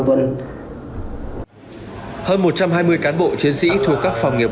hơn một trăm hai mươi cán bộ chiến sĩ thuộc các phòng nghiệp